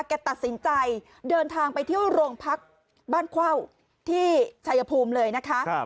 แกตัดสินใจเดินทางไปเที่ยวโรงพักบ้านเข้าที่ชายภูมิเลยนะคะ